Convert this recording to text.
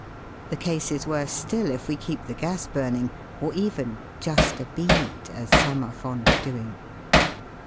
The case is worse still if we keep the gas burning, or even " just a bead," as some are fond of doing.